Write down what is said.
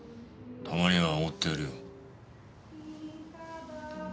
たまにはおごってやるよ。